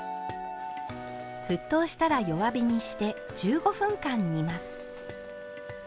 沸騰したら弱火にして１５分間煮ます。